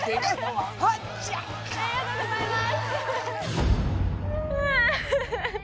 ありがとうございます。